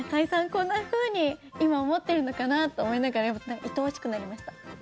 こんなふうに今、思っているのかなって思いながらなんか、いとおしくなりました。